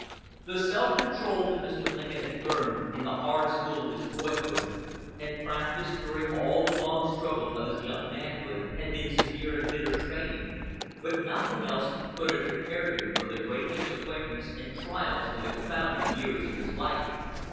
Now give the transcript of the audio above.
The self control that Mr. Lincoln had learned in the hard school of his boyhood, and practised during all the long struggle of his young manhood, had been severe and bitter training, but nothing else could have prepared him for the great disappointments and trials of the crowning years of his life.